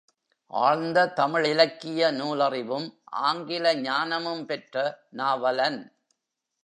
ஆழ்ந்த தமிழ் இலக்கிய நூலறிவும், ஆங்கில ஞானமும் பெற்ற நாவலன்.